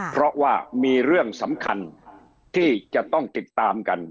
เพราะว่ามีเรื่องสำคัญที่จะต้องติดตามกัน